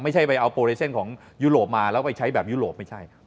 ไม่ใช่ไปเอาโปรเลเซนของยุโรปมาแล้วไปใช้แบบยุโรปไม่ใช่